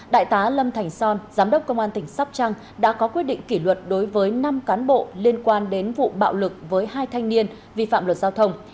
đại tá lâm thành son giám đốc công an tỉnh sóc trăng đã có quyết định kỷ luật đối với năm cán bộ liên quan đến vụ bạo lực với hai thanh niên vi phạm luật giao thông